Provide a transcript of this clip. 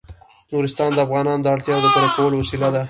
نورستان د افغانانو د اړتیاوو د پوره کولو وسیله ده.